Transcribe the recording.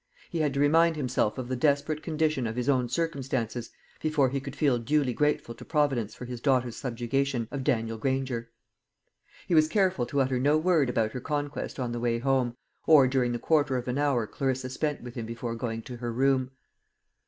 He had to remind himself of the desperate condition of his own circumstances before he could feel duly grateful to Providence for his daughter's subjugation of Daniel Granger. He was careful to utter no word about her conquest on the way home, or during the quarter of an hour Clarissa spent with him before going to her room.